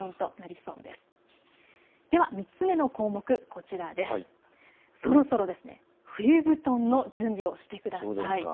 そろそろ冬布団の準備をしてください。